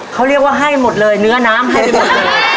เขาเรียกว่าให้หมดเลยเนื้อน้ำให้หมดเลย